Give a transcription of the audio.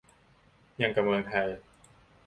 หยั่งกะเมืองไทย